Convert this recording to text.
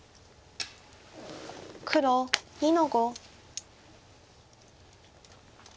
黒２の五。